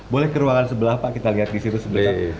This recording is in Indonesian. boleh ke ruangan sebelah pak kita lihat di situ sebelah